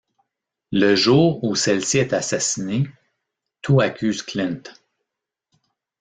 Le jour où celle-ci est assassinée, tout accuse Clint.